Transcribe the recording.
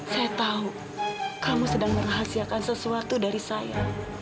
saya tahu kamu sedang merahasiakan sesuatu dari saya